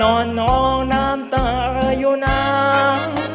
นอนนองน้ำตาอยู่นาง